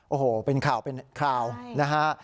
โอ้โหเป็นข่าวเป็นคราวนะฮะ